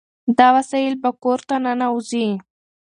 دا وسایل به کور ته ننوځي.